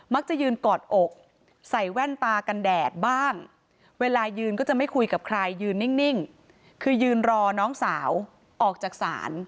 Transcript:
จะยืนกอดอกใส่แว่นตากันแดดบ้างเวลายืนก็จะไม่คุยกับใครยืนนิ่งคือยืนรอน้องสาวออกจากศาล